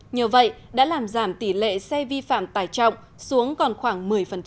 nhờ vậy đã làm giảm tỷ lệ xe vi phạm tải trọng xuống còn khoảng một mươi